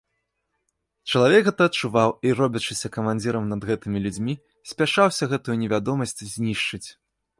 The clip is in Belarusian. Чалавек гэта адчуваў і, робячыся камандзірам над гэтымі людзьмі, спяшаўся гэтую невядомасць знішчыць.